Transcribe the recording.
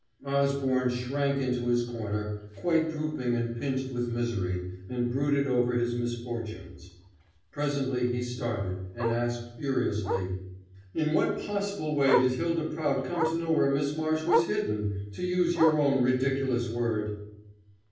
Osborne shrank into his corner, quite drooping and pinched with misery, and brooded over his misfortunes. Presently he started, and asked furiously: "In what possible way did Hylda Prout come to know where Miss Marsh was hidden, to use your own ridiculous word?"